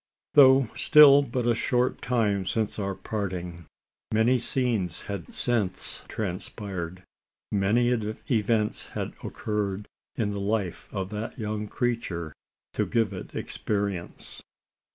Though still but a short time since our parting, many scenes had since transpired many events had occurred in the life of that young creature to give it experience.